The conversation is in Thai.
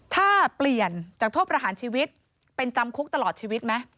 ถ้าเปลี่ยนจากโทษประหารชีวิตเป็นจำคุกตลอดชีวิตไหม